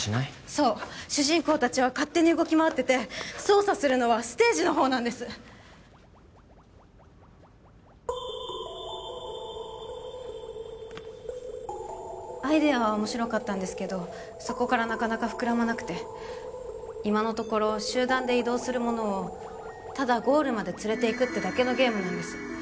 そう主人公達は勝手に動き回ってて操作するのはステージの方なんですアイデアは面白かったんですけどそこからなかなか膨らまなくて今のところ集団で移動するものをただゴールまで連れていくってだけのゲームなんです